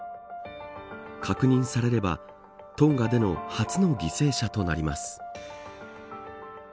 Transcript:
確認されればトンガでの初の犠牲者となります。